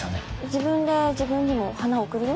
自分で自分にも花贈るよ